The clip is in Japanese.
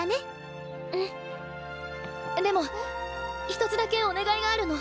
一つだけお願いがあるの。